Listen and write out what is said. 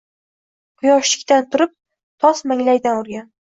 Quyosh tikdan turib tos manglaydan urgan.